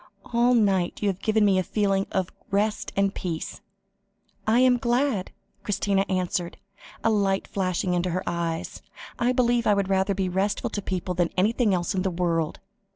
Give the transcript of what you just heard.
All night you have given me a feeling of rest and peace." "I am glad," Christina answered, a light flashing into her eyes; "I believe I would rather be restful to people than anything else in the world."